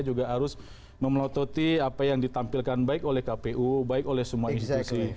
juga harus memelototi apa yang ditampilkan baik oleh kpu baik oleh semua institusi